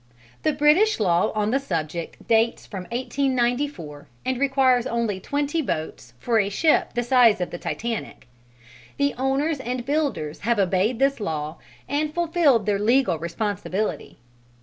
The British law on the subject dates from 1894, and requires only twenty boats for a ship the size of the Titanic: the owners and builders have obeyed this law and fulfilled their legal responsibility.